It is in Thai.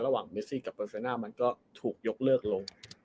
ระหว่างเมซิกกับเบอร์เซน่ามันก็ถูกยกเลิกลง